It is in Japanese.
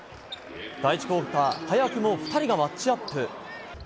第１クオーター早くも２人がマッチアップ。